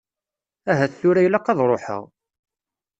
Ahat tura ilaq ad ṛuḥeɣ.